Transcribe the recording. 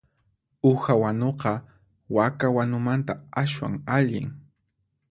Uha wanuqa waka wanumanta aswan allin.